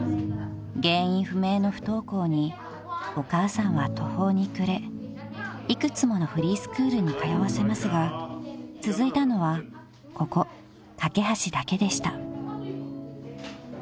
［原因不明の不登校にお母さんは途方に暮れ幾つものフリースクールに通わせますが続いたのはここかけはしだけでした］